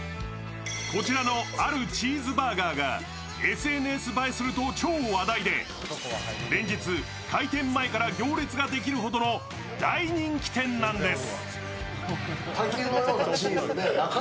こちらのあるチーズバーガーがＳＮＳ映えすると超話題で連日、開店前から行列ができるほどの大人気店なんです。